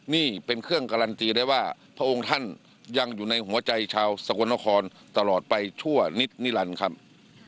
นี่เป็นเครื่องการันตีได้ว่าพระองค์ท่านยังอยู่ในหัวใจชาวสกลนครตลอดไปชั่วนิดนิรันดิ์ครับ